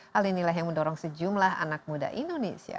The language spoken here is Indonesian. hal ini mendorong sejumlah anak muda indonesia